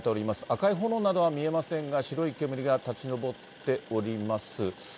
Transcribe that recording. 赤い炎などは見えませんが、白い煙が立ち上っております。